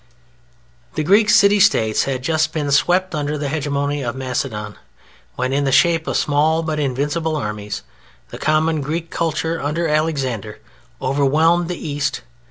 The Greek City States had just been swept under the hegemony of Macedon, when, in the shape of small but invincible armies, the common Greek culture under Alexander overwhelmed the East.